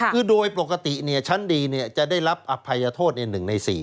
คือโดยปกติเนี่ยชั้นดีเนี่ยจะได้รับอภัยโทษเนี่ย๑ใน๔